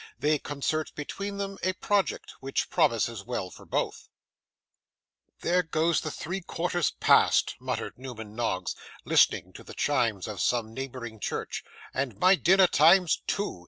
They concert between them a Project, which promises well for both 'There go the three quarters past!' muttered Newman Noggs, listening to the chimes of some neighbouring church 'and my dinner time's two.